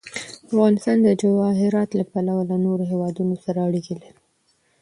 افغانستان د جواهرات له پلوه له نورو هېوادونو سره اړیکې لري.